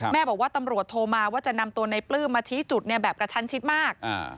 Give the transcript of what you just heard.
แม่บอกว่าตำรวจโทรมาว่าจะนำตัวในปลื้มมาชี้จุดเนี่ยแบบกระชันชิดมาก